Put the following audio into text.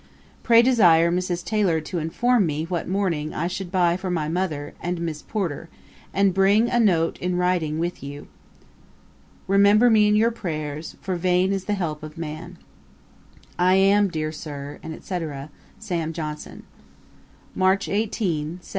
'Pray desire Mrs. Taylor to inform me what mourning I should buy for my mother and Miss Porter, and bring a note in writing with you. 'Remember me in your prayers, for vain is the help of man. 'I am, dear Sir, &c. 'SAM. JOHNSON.' 'March 18, 1752.' [Page 239: Francis Barber.